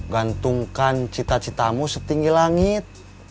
gantungkan cita citamu setinggi langit